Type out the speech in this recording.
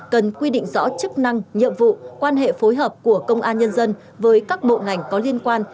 cần quy định rõ chức năng nhiệm vụ quan hệ phối hợp của công an nhân dân với các bộ ngành có liên quan